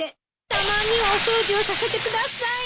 たまにはお掃除をさせてくださいな。